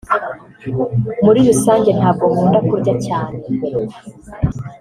Muri rusange ntabwo nkunda kurya cyane